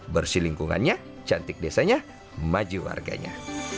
bersih lingkungannya cantik desanya maju warganya